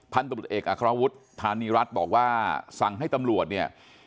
ตำรวจเอกอัครวุฒิธานีรัฐบอกว่าสั่งให้ตำรวจเนี่ย